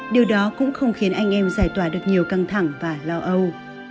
điều đó cũng không khiến anh em giải tỏa được nhiều căng thẳng và lo âu